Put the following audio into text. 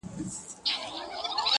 • زړه په پیوند دی.